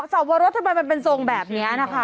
สวรสทำไมมันเป็นทรงแบบนี้นะคะ